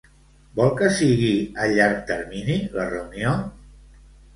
Vol que sigui a llarg termini la reunió?